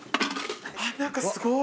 何かすごい。